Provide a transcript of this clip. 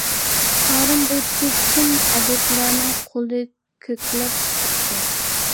تارىم بويىدىكى چىن ئەدىبلەرنىڭ قولى كۆكلەپ تۇرسۇن!